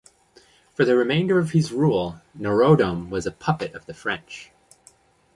For the remainder of his rule Norodom was a puppet of the French.